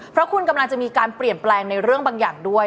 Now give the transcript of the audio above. เพราะคุณกำลังจะมีการเปลี่ยนแปลงในเรื่องบางอย่างด้วย